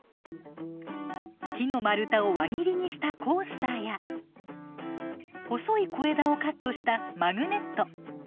木の丸太を輪切りにしたコースターや細い小枝をカットしたマグネット。